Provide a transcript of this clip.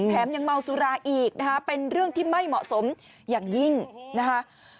ยังเมาสุราอีกนะคะเป็นเรื่องที่ไม่เหมาะสมอย่างยิ่งนะคะ